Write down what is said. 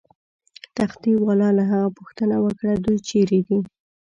تختې والاو له هغه پوښتنه وکړه: دوی چیرې دي؟